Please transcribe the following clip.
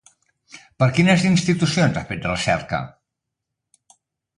Per a quines institucions ha fet recerca?